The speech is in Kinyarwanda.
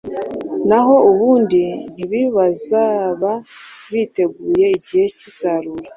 naho ubundi ntibazaba biteguye igihe cy’isarura.